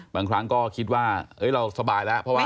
บางครั้งก็คิดว่าเราสบายแล้วเพราะว่า